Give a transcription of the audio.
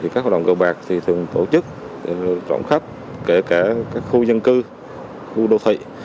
các hoạt động cờ bạc thường tổ chức trộm khắp kể cả các khu dân cư khu đô thị